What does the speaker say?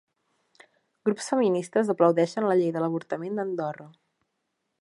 Grups feministes aplaudeixen la llei de l'avortament d'Andorra